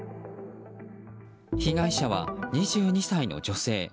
被害者は２２歳の女性。